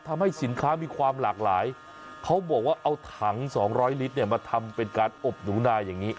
ทำให้สินค้ามีความหลากหลายเขาบอกว่าเอาถัง๒๐๐ลิตรเนี่ยมาทำเป็นการอบหนูนาอย่างนี้